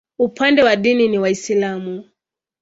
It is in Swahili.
Upande wa dini ni Waislamu.